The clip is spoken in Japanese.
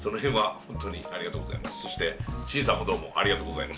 ほんとありがとうございます。